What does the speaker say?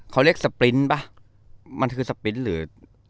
เขาเรียกสปริ้นต์ป่ะมันคือสปริ้นต์หรือ